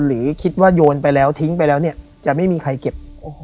หรือคิดว่าโยนไปแล้วทิ้งไปแล้วเนี่ยจะไม่มีใครเก็บ